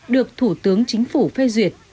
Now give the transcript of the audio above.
được thủ tướng chính phủ phê duyệt